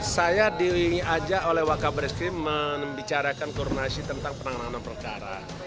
saya diingin ajak oleh wakabreskrim membicarakan kurunasi tentang penanganan penanganan